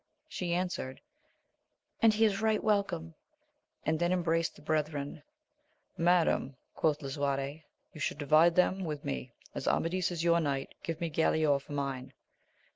She answered. And he is right welcome ! and then embraced the brethren. Madam, quoth Lisuarte, you should divide them with me ; as Amadis is your knight, give me Galaor for mine.